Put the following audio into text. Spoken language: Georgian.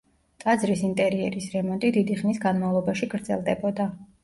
ტაძრის ინტერიერის რემონტი დიდი ხნის განმავლობაში გრძელდებოდა.